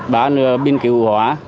ba là bình cứu hóa